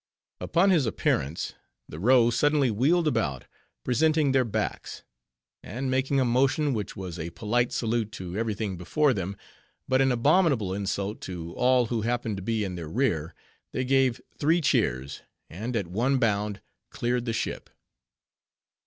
Upon his appearance, the row suddenly wheeled about, presenting their backs; and making a motion, which was a polite salute to every thing before them, but an abominable insult to all who happened to be in their rear, they gave three cheers, and at one bound, cleared the ship.